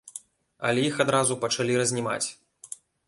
Але іх адразу пачалі разнімаць.